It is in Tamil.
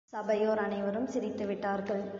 சபையோர் அனைவரும் சிரித்துவிட்டார்கள்.